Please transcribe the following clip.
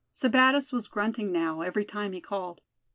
Sebattis was grunting now, every time he called.